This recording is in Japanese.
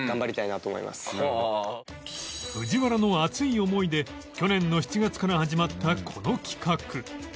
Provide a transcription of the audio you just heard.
藤原の熱い思いで去年の７月から始まったこの企画